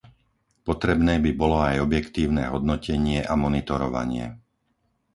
Potrebné by bolo aj objektívne hodnotenie a monitorovanie.